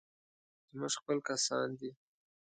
زموږ خپل کسان دي.